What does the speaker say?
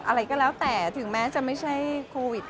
อะไรก็แล้วแต่ถึงแม้จะไม่ใช่โควิด